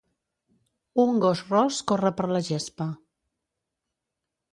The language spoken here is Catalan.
Un gos ros corre per la gespa.